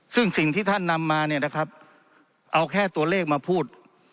ซึ่งสิ่งที่ท่านนำมาเนี่ยนะครับเอาแค่ตัวเลขมาพูด